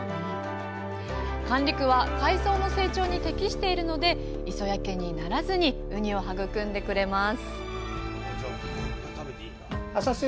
管理区は海藻の成長に適しているので磯焼けにならずにウニを育んでくれます